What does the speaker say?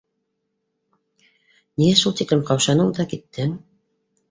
— Ниңә шул тиклем ҡаушаның да киттең?